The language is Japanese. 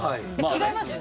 違いますよ。